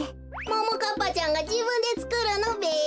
ももかっぱちゃんがじぶんでつくるのべ？